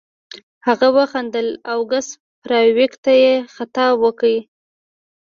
هغه وخندل او ګس فارویک ته یې خطاب وکړ